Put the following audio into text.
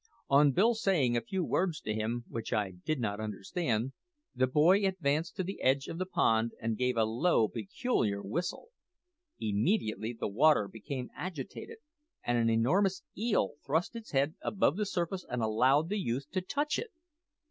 On Bill saying a few words to him, which I did not understand, the boy advanced to the edge of the pond and gave a low, peculiar whistle. Immediately the water became agitated, and an enormous eel thrust its head above the surface and allowed the youth to touch it.